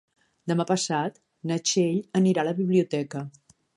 Demà passat na Txell anirà a la biblioteca.